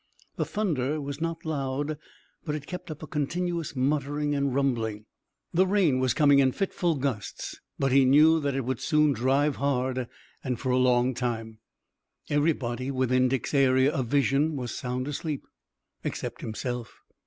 The thunder was not loud, but it kept up a continuous muttering and rumbling. The rain was coming in fitful gusts, but he knew that it would soon drive hard and for a long time. Everybody within Dick's area of vision was sound asleep, except himself.